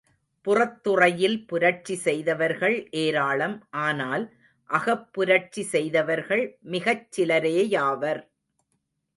புறத்துறையில் புரட்சி செய்தவர்கள் ஏராளம் ஆனால் அகப்புரட்சி செய்தவர்கள் மிகச் சிலரேயாவர்.